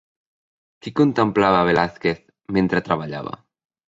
Qui contemplava a Velázquez mentre treballava?